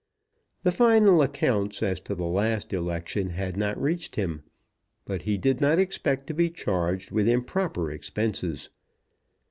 The final accounts as to the last election had not reached him, but he did not expect to be charged with improper expenses.